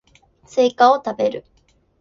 スイカを食べる